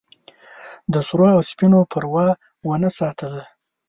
د سرو او سپینو پروا ونه ساتله.